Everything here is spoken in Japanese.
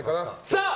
さあ！